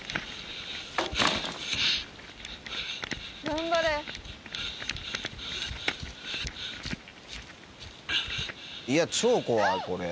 頑張れ。